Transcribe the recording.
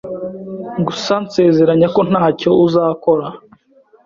Gusa nsezeranya ko ntacyo uzakora